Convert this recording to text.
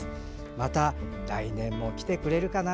また来年も来てくれるかな。